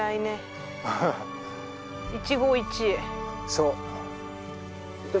そう。